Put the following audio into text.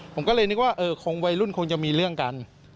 ผมก็เลยนึกว่าเออคงวัยรุ่นคงจะมีเรื่องกัน